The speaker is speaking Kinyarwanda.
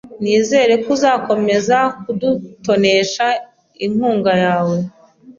Nizere ko uzakomeza kudutonesha inkunga yawe